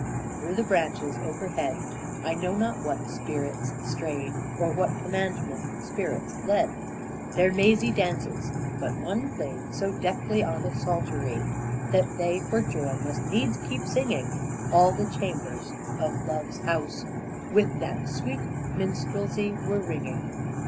And through the branches overhead I know not what sweet spirits strayed, Or what commandant spirit led Their mazy dances, but one played So deftly on a psaltery That they for joy must needs keep singing; All the chambers of Love's house With that sweet minstrelsy were ringing.